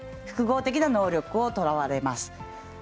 複合的な能力を問われます。